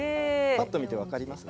ぱっと見て分かります？